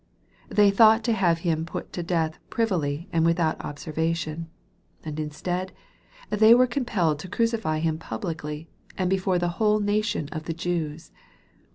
They thought to have put Him to death privily and without observation ; and instead, they were compelled to crucify Him publicly, and before the whole nation of the Jews.